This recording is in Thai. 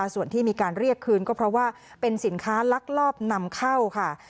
ส่วนที่มีการเรียกคืนก็เพราะว่าเป็นสินค้าลักลอบนำเข้าค่ะ